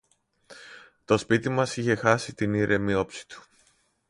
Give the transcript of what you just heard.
Το σπίτι μας είχε χάσει την ήρεμη όψη του.